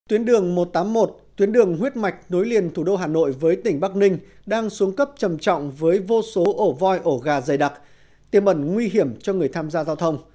tuyến đường một trăm tám mươi một tuyến đường huyết mạch nối liền thủ đô hà nội với tỉnh bắc ninh đang xuống cấp trầm trọng với vô số ổ voi ổ gà dày đặc tiêm ẩn nguy hiểm cho người tham gia giao thông